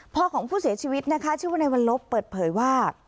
ของผู้เสียชีวิตนะคะชื่อว่าในวันลบเปิดเผยว่า